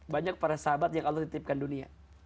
banyak para sahabat yang allah titipkan dunia